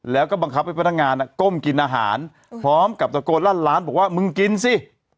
แล้วก็บังคับให้พนักงานก้มกินอาหารพร้อมกับตะโกนลั่นร้านบอกว่ามึงกินสิ